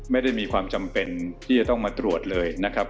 ไม่ได้มีความจำเป็นที่จะต้องมาตรวจเลยนะครับ